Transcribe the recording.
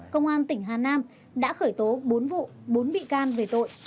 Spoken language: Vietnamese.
công an tỉnh hà nam đã khởi tố bốn vụ bốn bị can về tội